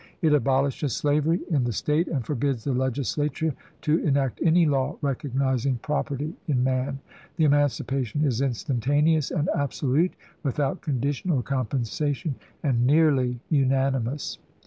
It abolishes slavery in the State and forbids the Legislature to enact any law recognizing property in man. The emancipation is instantaneous and absolute, without condition or compensation, and nearly unanimous.